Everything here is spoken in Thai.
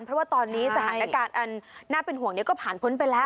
เพราะว่าตอนนี้สถานการณ์อันน่าเป็นห่วงก็ผ่านพ้นไปแล้ว